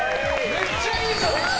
めっちゃいいじゃん！